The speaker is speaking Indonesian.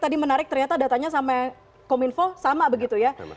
tadi menarik ternyata datanya sama kominfo sama begitu ya